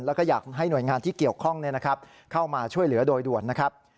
แล้วก็อยากให้หน่วยงานที่เกี่ยวข้องเข้ามาช่วยเหลือโดยด่วนนะครับ